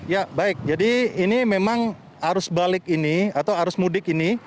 ya baik jadi ini memang arus balik ini atau arus mudik ini